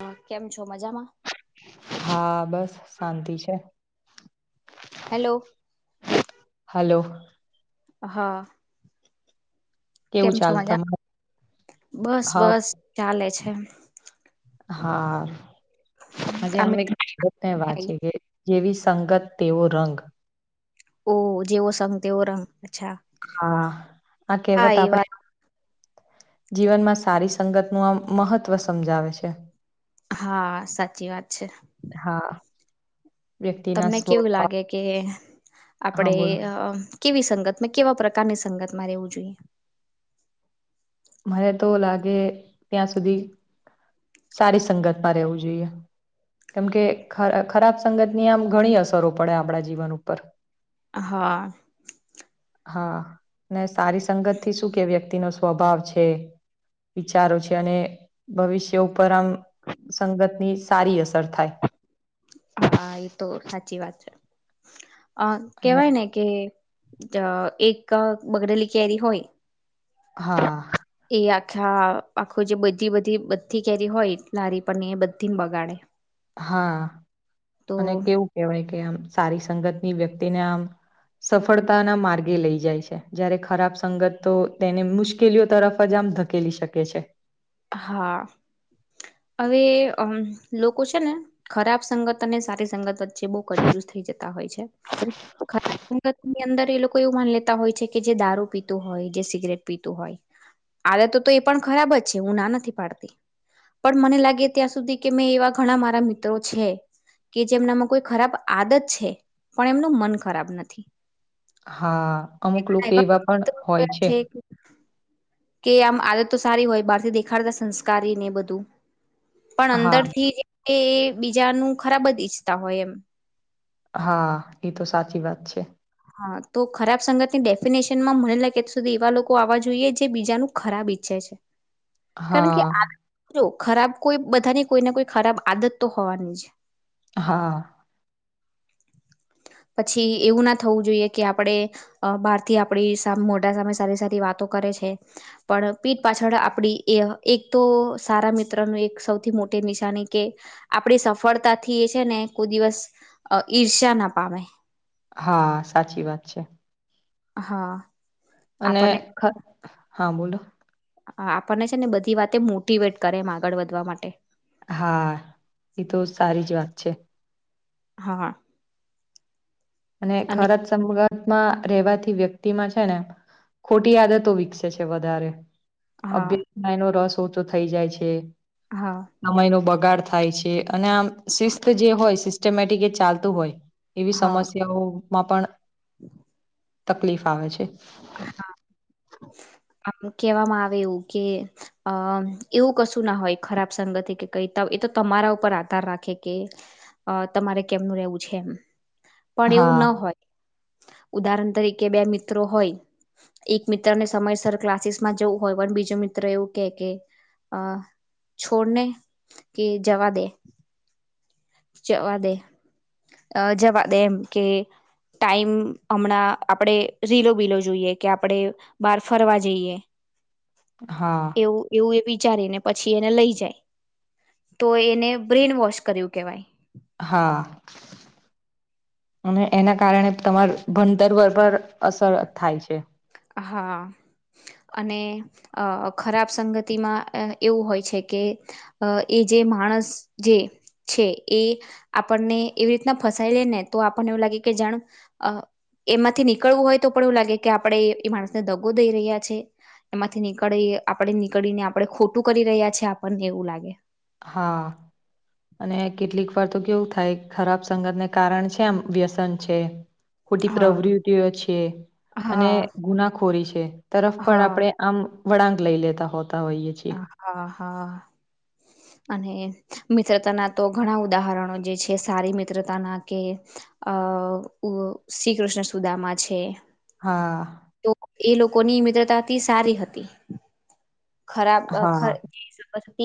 હ કેમ છો મજામાં હા બસ શાંતિ છે હેલો હલો હા કેમ કેવું છો ચાલ મજા તમારે બસ હા બસ ચાલે છે હા હજ આમે અમે વાંચી જેવી સંગત તેવો રંગ ઓહ જેવો સંગ તેવો રંગ અચ્છા હા આ હા કહેવત એ વાત આપણે જીવનમાં સારી સંગતનું આ મહત્ત્વ સમજાવે છે હા સાચી વાત છે હા વ્યક્તિના તમને કેવું સ્વપ લાગે કે આપડે કેવી સંગત કેવા પ્રકાર પ્રકારની સંગત માં રહેવું જોઈએ મને તો લાગે ત્યાં સુધી સારી સંગત માં રહેવું જોઈએ કેમ કે ખરાબ સંગતની આમ ઘણી અસરો પડે આપણા જીવન ઉપર હા હા ને સારી સંગત થી શું કે વ્યક્તિ નો સ્વભાવ છે વિચારો છે અને ભવિષ્ય ઉપર આમ સંગતની સારી અસર થાય હા એ તો સાચી વાત છે અ અને કેવાય ને કે એક બગડેલી કેરી હોય હા હાં આખા આખું જે બધી બધી બધી કેરી હોય નારી પ એ બધી ને બગાડે હા તો અને કેવું કેહેવાય કે આમ સારી સંગત ની વ્યક્તિને આમ સફળતાના માર્ગે લઈ જાય છે જયારે ખરાબ સંગત તો તેને મુશ્કેલીઓ તરફ જ ધકેલી શકે છે હા હવે અમ લોકો છે ને ખરાબ સંગત અને સારી સંગત વચ્ચે બહુ ક્યુઝ થઈ જ હોય છે ખરાબ સંગત ની અંદર એ લોકો એવું માન લેતા હોય છે કે જે દારૂ પીતું હોય જે સિગરેટ પીતું હોય આડ તો તો એ પણ ખરાબ જ છે હું ના નથી પાડતી પણ મને લાગે ત્યાં સુધી કે મેં એવા ઘણા મારા મિત્રો છે કે જે એમનામાં કોઈ ખરાબ આદત છે પણ એમનું મન ખરાબ નથી હા અમુક લોકો ઘણા એવા પણ મિત્રો હોય જોયા છે કે કે આમ આદત તો સારી હોય બહાર થી દેખાડતા સંસ્કારી ને બધું પણ હા અંદર થી એ બીજાનું ખરાબ જ ઈચ્છતા હોય એમ હા એ તો સાચી વાત છે હા તો ખરાબ સંગત ની ડેફિનેશન માં મને લાગ ત્યાં સુધી એવા લોકો આવવા જોઈએ જે બીજાનું ખરાબ ઈ છે કારણ કે હા આ ખરાબ કોઈ બધાની કોઈ ને કોઈ ખરાબ આદત તો હોવાની છે હા પછી એવું ના થવું જોઈએ કે આપણે બહાર થી આપણી મોટા સામે સારી સારી વાતો કરે છે પણ પણ પીઠ પાછળ આપડી એ એક તો સારા મિત્ર નું એક સૌથી મોટી નિશાની કે આપણી સફળતાથી એ છે ને કોઈ દિવસ ઈર્ષ્યા ના પામે હા સાચી વાત છે. હા. અને આપણને હા બોલો આપણને છે ને બધી વાતે મોટવેટ કરે એમ આગળ વધવા માટે. હા એ તો સારી જ વાત છે. હા. અને [unintelligible] માં રહેવાથી વ્યક્તિમાં છે ને ખોટી આદતો વિકસે છે વધારે હા અભ્યાસમાં એ નો રસ ઓછો થઈ જાય છે હા સમય ન બ ગાડ થાય છે અને આમ શિસ્ત જે હોય સિસ્ટમેટિક જે ચાલતું હોય એવી હા સમસ્યા માં પણ [inaudible] તકલીફ આવે છે. હા. આમ કેવામાં આવે એવું કે અ એવું કશું ના હોય ખરાબ સંગત [unintelligible] તો તમારા ઉપર આધાર રાખે કે તમારે કેમનું રહેવું છે એમ. પણ એવું હા ના હોય ઉદાહરણ તરીકે બે મિત્રો હોય એક મિત્રને સમયસર ક્લાસીસમાં જવું હોય પણ બીજો મિત્ર એવું કે કે અ છોડને કે જવા દે જવા દે અ જવા દે એમ કે ટાઈમ હમણાં આપણેે રીલો બીલો જોઈએ કે આપડે બાર ફરવા જઈએ. [inaudible] હા એવું એવું એવી વિચારીને પછી એને લઈ જાય તો એને બ્રેન વોશ કર્યું કેવાય હા. અને એના કારણે તમાર ભણતર પર પણ અસર થાય છે. હા. અને ખરાબ અ સંગતિમાં એવું હોય છે કે એ જે માણસ જે છે એ આપણને એવી રીતના ફસાય લે ને તો આપણને એવું લાગે કે જાણું એમાંથી નીકળવું હોય તો પણ એવું લાગે કે આપણે એ માણસને દગો દઈ રહ્યા છે એમાંથી નીકળી આપણે નીકળીને આપણે ખોટું કરી રહ્યા છે આપણને એવું લાગે પર તો કેવું થાય ખરાબ સંગતને કારણ છે એમ વ્યસન છે. ખોટી હા પ્રવૃતિઓ છે, અને હા ગુનાખોરી છે તરફ પણ હા આપણેે આમ વળાંક લઈ લેતા હોતા હોઈએ છીએ. હા હા. અને મિત્રતાના તો ઘણા ઉદાહરણો જે છે, સારી મિત્રતાના કે અ શ્રીકૃષ્ણ સુદામા છે. હા. તો એ લોકોની મિત્રતાથી સારી હતી. ખરાબ હા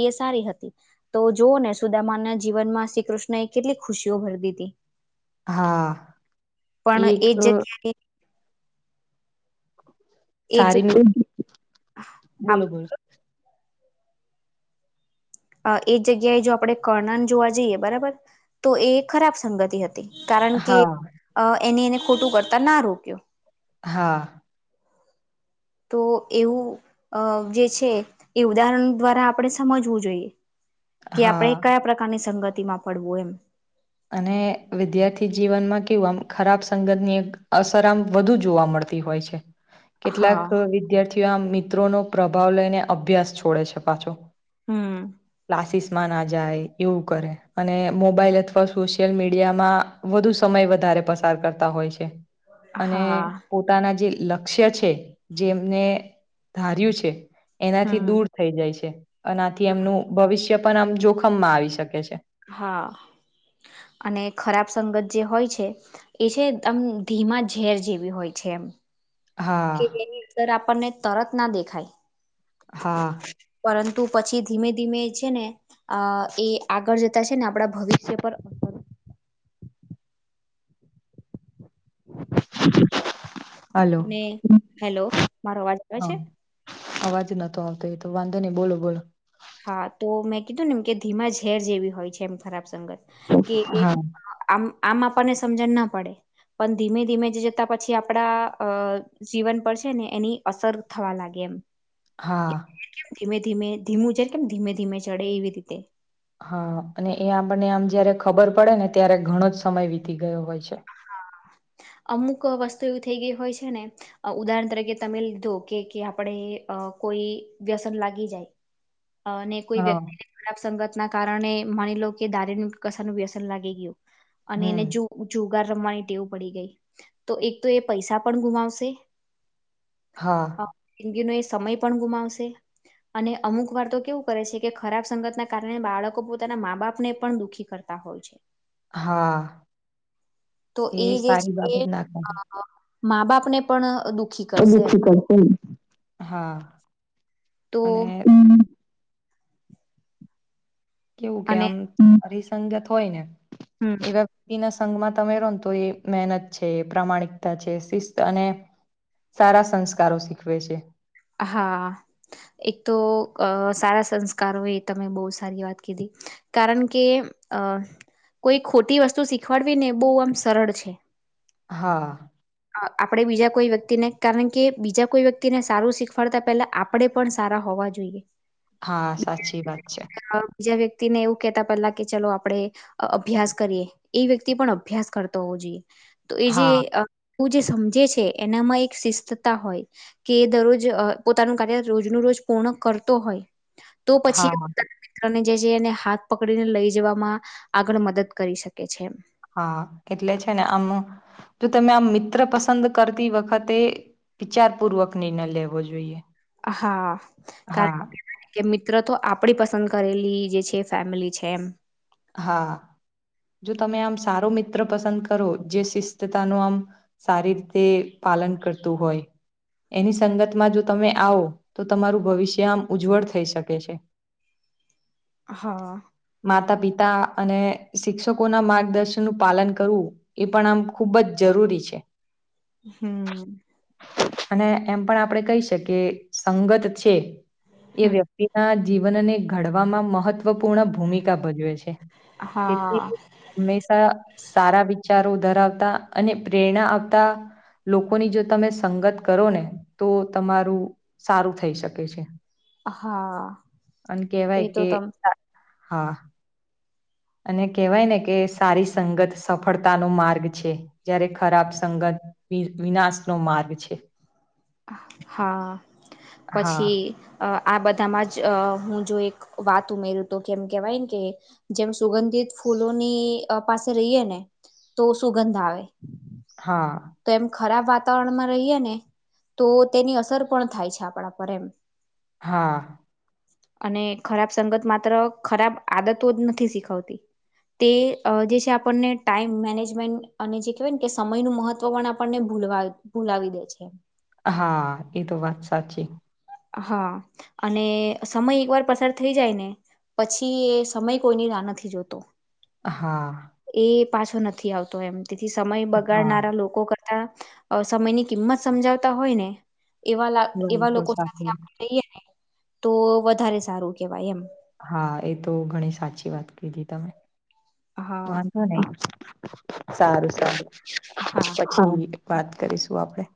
એ સારી હતી તો જોઉ ને સુદામાના જીવનમાં શ્રી કૃષ્ણ એ કેટલી ખુશીઓ ભરી દીદી હતી. હા પણ એક એજ જગ્યાએ એ [unintelligible] બોલો-બોલો એ જગ્યાએ જો આપડે કર્ણન જોવા જઈએ, બરાબર તો એ ખરાબ સંગતિ હતી. કારણ કે, હા એને ખોટું કરતા ના રોક્યો. હા. તો એવું અ જે છે, એ ઉદાહરણ દ્વારા આપણે સમજવું જોઈએ. કે હા આપણેે કયા પ્રકારની સંગતિમાં પડવું એમ. અને વિદ્યાર્થી જીવનમાં કેવું આમ ખરાબ સંગતની એક અસર આમ વધુ જોવા મળ તી હોય છે. કેટલાક હા વિદ્યાર્થીઓ મિત્રોનો પ્રભાવ લઈને અભ્યાસ છોડે છે પાછો. હમ્મ. ક્લાસિસમાં ના જાય, એવું કરે, અને મોબાઈલ અથ વા સોશિયલ મીડિયામાં વધુ સમય વધારે પસાર કરતા હોય છે. અને હા પોતાના જે લક્ષ્ય છે, જેમને ધાર્યું છે, એનાથી હમ દૂર થઈ જાય છે. અનાથી એમનું ભવિષ્ય પણ આમ જોખમમાં આવી શકે છે. હા. અને ખરાબ સંગત જે હોય છે, એ છે એકદમ ધીમા ઝેર જેવી હોય છે. હમ્મ. હા કે એની અંદર આપણને તરત ના દેખાય. હા. પરંતુ પછી ધીમે ધીમે એ છે ને, અ એ આગળ જતા છે ને આપણા ભવિષ્ય પર [inaudible] [inaudible] હલો અને હેલો, મારો અવાજ આવે હા છે? અવાજ નતો આવતો એતો વાંધો નઈ, બોલો બોલો. હા, તો મેં કીધું નેમ કે ધીમા ઝેર જેવી હોય છે, એમ ખરાબ સંગત, કે એ હા આ આમ આપણને સમજણ ના પડે પણ ધીમે ધીમે જ જતા પછી આપણા જીવન પર છે ને એની અસર થવા લાગે એમ. હા. કેમ ધીમે ધીમે, ધીમું કેમ ધીમે ધીમે ચડે, એવી રીતે. હા, અને એ આપણને અમ જ્યારે ખબર પડે ને, ત્યારે ઘણો જ સમય વીતી ગયો હોય છે. અમુક વસ્તુ એવી થઈ ગઈ હોય છે ને, અ ઉદાહરણ તરીકે તમે લીધો કે કે આપણે અ કોઈ વ્યસન લાગી જાય અને કોઈ હા વ્યક્તિને ખરાબ સંગતના કારણે માની લો કે દારણનું કસાનું વ્યસન લાગી ગ્યું. અને હમ એને જો જો ગાર રમવાની ટેવ પડી ગઈ, તો એક તો એ પૈસા પણ ગુમાવશે હા જિંદગીનો એ સમય પણ ગુમાવશે અને અમુક વાર તો કેવું કરે છે, કે ખરાબ સંગતના કારણે બાળકો પોતાના માં બાપ ને પણ દુઃખી કરતા હોય છે. હા. તો એ જે સારી છે, બાબત ના અ કહેવાય. મા બાપ ને પણ દુઃખી કરશે એમ [unintelligible] હા, તો અને કેવું કે અને આમ પરિસંગત હોય ને, હમ એવા વ્યક્તિના સંગમાં તમે રોન તો એ મેહનત છે, પ્રામાણિકતા છે, શિસ્ત અને સારા સંસ્કારો શીખવે છે. હા, એક તો સારા સંસ્કારો એ તમે બહુ સારી વાત કીધી. કારણ કે અહ કોઈ ખોટી વસ્તુ શીખવાડવી ને બહુ આમ સરળ છે. હા. આપણેે બીજા કોઈ વ્યક્તિને કારણ કે બીજા કોઈ વ્યક્તિને સારું શીખવાડતા પેહલા, આપડે પણ સારા હો વા જોઈએ. હા, સાચી વાત છે. બીજા વ્યક્તિને એવું કેતા પેલા કે ચલો આપડે અ અભ્યાસ કરીએ, એ વ્યક્તિ પણ અભ્યાસ કરતો હોવો જોઈએ. તો એ જે હા અ ઉ જે સમજે છે, એનામાં એક શિસ્તતા હોય, કે દરરોજ પોતાનું કાર્ય રોજ નું રો જ પૂર્ણ કરતો હોય, તો પછી હા એ પોતાના મિત્રોને જે જે એને હાથ પકડીને લઈ જવામાં આગળ મદદ કરી શકે છે એમ. હા એટલે છે ને આમ, તો તમે આમ મિત્ર પસંદ કરતી વખતે વિચાર પૂર્વક ની ન લેવો જોઈએ. હા. હા કારણ [inaudible] મિત્ર તો આપડી પસંદ કરેલી જે છે ફેમિલી છે એમ. હા. જો તમે આમ સારો મિત્ર પસંદ કરો, જે શિસ્તતા નો આમ સારી રીતે પાલન કરતું હોય એની સંગતમાં જો તમે આવો, તો તમારું ભવિષ્ય આમ ઉજ્જવળ થઈ શકે છે. [inaudible] હા. આ અને શિક્ષકોના માર્ગદર્શન નું પાલન કરવું એ પણ આમ ખૂબ જ જરૂરી છે. હમ્મ. અને એમ પણ આપણેે કહી શકીએ સંગત છે એ વ્યક્તિના જીવનને ઘડવામાં મહત્વપૂર્ણ ભૂમિકા ભજવે છે. તેથી હા કે હંમેશા સારા વિચારો ધરાવતા અને પ્રેરણા આવતા લોકોની જો તમે સંગત કરો ને, તો તમારું સારું થઈ શકે છે. હા. અને કહેવાય એ તો કે તમ [unintelligible] હા. અને કહેવાય ને કે સારી સંગત સફળતાનો માર્ગ છે. જયારે ખરાબ સંગત વિ વિનાશનો માર્ગ છે. હા, પછી હા, અહ આ બધામાં જ હું જો એક વાત ઉમેરું તો કેમ કેવાયને કે જેમ સુગંધિત ફૂલોની અહ પાસે રહીયે ને તો સુુંગંધ આવે. હા. તો એમ ખરાબ વાતાવરણમાં રહીએ ને તો તેની અસર પણ થાય છે આપણા પર એમ. હા. અને ખરાબ સંગત માત્ર ખરાબ આદતો જ નથી શીખવતી તે અહ જે છે આપણને ટાઈમ મેનેજમેન્ટ અને જે કહેવાય ને કે સમયનું મહત ત્વ પણ આપણને ભૂલવા ભૂલાવી દે છે. હા એ તો વાત સાચી. હા. અને સમય એકવાર પસાર થઈ જાય ને પછી એ સમય કોઈની રાહ નથી જોતો. હા. એ પાછો નથી આવતો એમ, તેથી સમય હા, બગાડનારા લોકો કર તા અહ સમયની કિંમત સમજાવતા હોય ને એવા લા એવા લોકો સાથે હમ્મ. આપણે રહીએ તો વધારે સારું કેવાય એમ. હા એ તો ઘણી સાચી વાત કીધી તમે. હા વાંધો નહી. સારું-સારું. હા હા પછી વાત કરીશું આપડે.